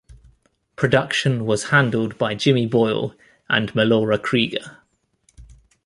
Production was handled by Jimmy Boyle and Melora Creager.